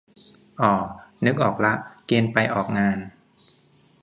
อ่อ นึกออกละ เกณฑ์ไปออกงาน